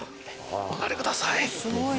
お上がりください。